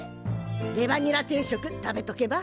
レバニラ定食食べとけば？